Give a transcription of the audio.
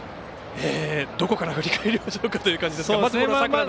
どこから振り返りましょうかという感じですが。